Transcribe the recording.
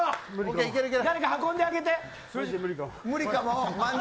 誰か運んであげて。